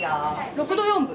６度４分。